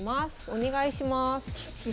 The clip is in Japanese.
お願いします。